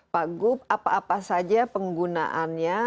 pak gup apa apa saja penggunaannya